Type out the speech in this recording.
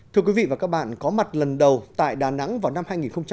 thưa quý vị và các bạn có mặt lần đầu tại đà nẵng vào năm hai nghìn một